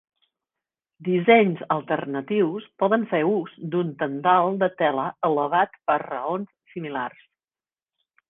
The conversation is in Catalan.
Dissenys alternatius poden fer ús d'un tendal de tela elevat per raons similars.